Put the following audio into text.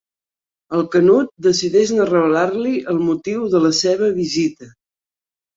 El Canut decideix no revelar-li el motiu de la seva visita.